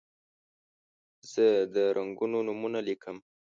زه د رنګونو نومونه لیکم.